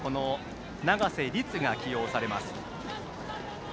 長瀬立嗣が起用されます。